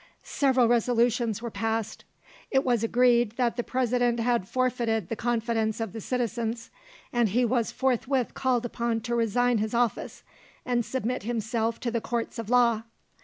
Several resolutions were passed. It was agreed that the President had forfeited the confidence of the citizens, and he was forthwith called upon to resign his office and submit himself to the Courts of Law.